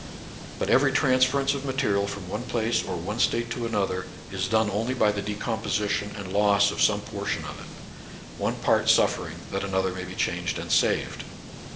But every transference of material from one place or one state to another is done only by the decomposition and loss of some portion of it, — one part suffering that another may be changed and saved.